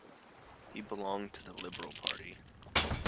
He belonged to the Liberal Party.